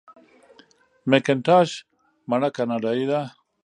مکینټاش مڼه کاناډايي ده.